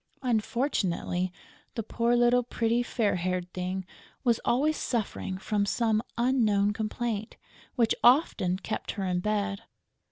Unfortunately, the poor little pretty, fair haired thing was always suffering from some unknown complaint, which often kept her in bed.